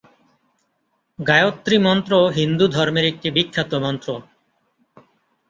গায়ত্রী মন্ত্র হিন্দুধর্মের একটি বিখ্যাত মন্ত্র।